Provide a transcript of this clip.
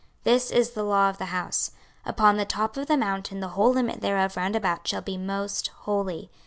26:043:012 This is the law of the house; Upon the top of the mountain the whole limit thereof round about shall be most holy.